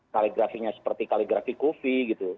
kaligrafinya seperti kaligrafi kofi gitu